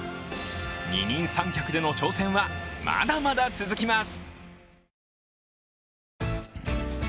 二人三脚での挑戦はまだまだ続きます。